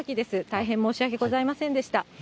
大変申し訳ございませんでした。